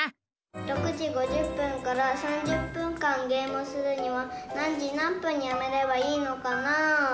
６時５０分から３０分間ゲームするには何時何分にやめればいいのかなぁ？